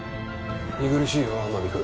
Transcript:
見苦しいよ天海君